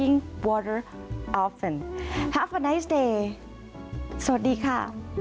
มีความสุขในวันนี้สวัสดีค่ะ